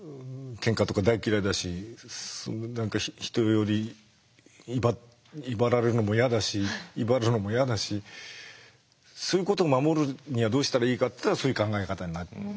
けんかとか大嫌いだし何か人より威張られるのも嫌だし威張るのも嫌だしそういうことを守るにはどうしたらいいかっつったらそういう考え方になったような。